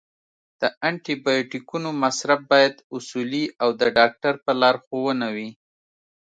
د انټي بیوټیکونو مصرف باید اصولي او د ډاکټر په لارښوونه وي.